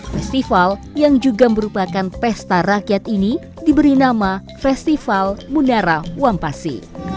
festival yang juga merupakan pesta rakyat ini diberi nama festival munara wampasi